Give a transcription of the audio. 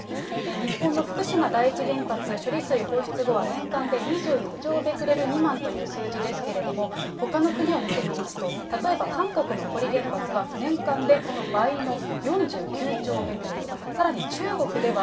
日本の福島第一原発処理水放出後は、年間で２２兆ベクレル未満という数字ですけれども、ほかの国を見てみますと、例えば韓国のコリ原発は、年間でこの倍の４９兆ベクレル、さらに中国では、